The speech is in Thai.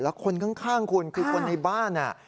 แล้วคนข้างคุณคือคนในบ้าน